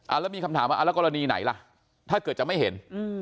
แล้วมีคำถามว่าอ่าแล้วกรณีไหนล่ะถ้าเกิดจะไม่เห็น